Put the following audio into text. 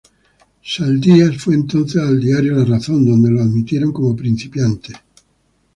Saldías fue entonces al diario "La Razón", donde lo admitieron como principiante.